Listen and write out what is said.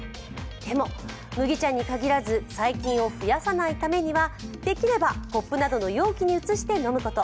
でも麦茶に限らず細菌を増やさないためにはできればコップなどの容器に移して飲むこと。